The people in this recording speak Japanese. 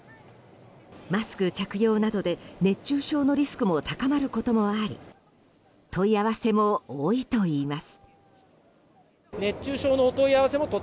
マスク着用などで熱中症のリスクも高まることもあり問い合わせも多いといいます。